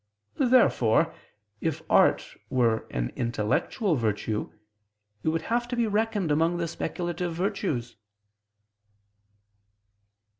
Therefore, if art were an intellectual virtue, it would have to be reckoned among the speculative virtues.